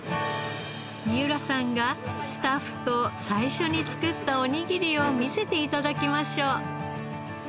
三浦さんがスタッフと最初に作ったおにぎりを見せて頂きましょう。